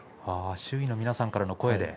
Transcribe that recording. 周囲の皆さんからの声で。